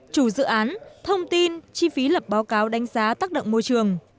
chủ dự án thông tin chi phí lập báo cáo đánh giá tác động môi trường